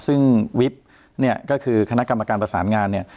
ซึ่งวิปเนี่ยก็คือคณะกรรมการประสานงานเนี่ย